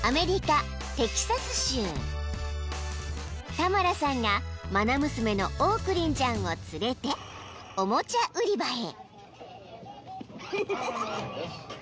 ［タマラさんが愛娘のオークリンちゃんを連れておもちゃ売り場へ］